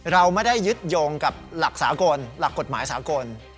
เราไม่ได้ยึดโยงกับหลักสากลหลักกฎหมายสากล